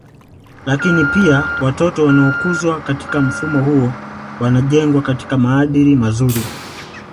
Lakini pia watoto wanaokuzwa katika mfumo huo wanajengwa katika maadili mazuri